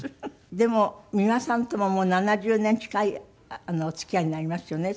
でも美輪さんとももう７０年近いお付き合いになりますよね